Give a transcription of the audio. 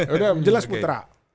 udah jelas putra